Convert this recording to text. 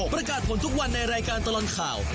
ประกาศผลทุกวันในรายการตลอดข่าว